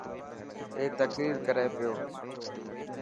اي تقرير ڪري پيو.